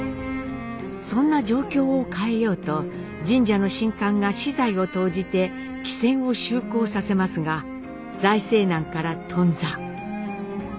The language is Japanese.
そんな状況を変えようと神社の神官が私財を投じて汽船を就航させますが財政難から頓挫。